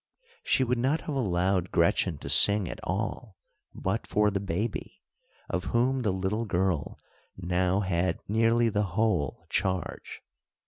She would not have allowed Gretchen to sing at all, but for the baby, of whom the little girl now had nearly the whole charge.